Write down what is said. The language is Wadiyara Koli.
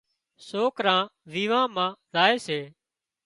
سوڪران ويوان مان زائي سي